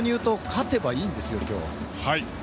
勝てばいいんです！